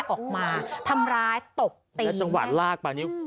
ออกมาทำร้ายตบตีจังหวัดลากปราณี